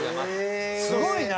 すごいな！